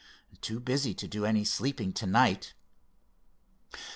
"Too busy to do any sleeping to night."